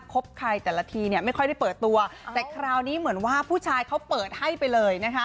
บใครแต่ละทีเนี่ยไม่ค่อยได้เปิดตัวแต่คราวนี้เหมือนว่าผู้ชายเขาเปิดให้ไปเลยนะคะ